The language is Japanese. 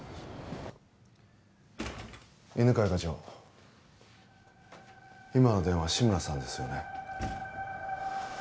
犬飼課長今の電話志村さんですよね？